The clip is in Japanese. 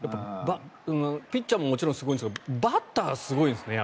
ピッチャーももちろんすごいんですけどバッター、すごいですね。